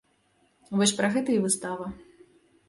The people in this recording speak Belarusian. Вось пра гэта і выстава.